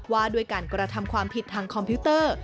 ว่าด้วยการกระทำความผิดทางคอมพิวเตอร์